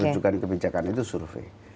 rujukan kebijakan itu survei